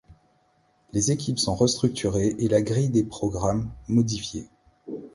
Les équipes sont restructurées et la grille des programmes, modifiée.